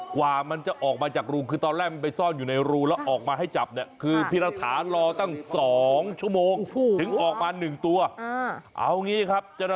ความยาวประมาณสัก๒เมตร